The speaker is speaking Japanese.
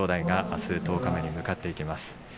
あす十日目に向かっていきます。